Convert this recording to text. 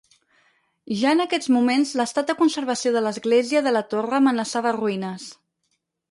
Ja en aquests moments l'estat de conservació de l'església de la torre amenaçava ruïnes.